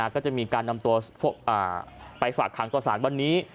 ก็จะมีการนำตัวไปฝากขังต่อสารวันนี้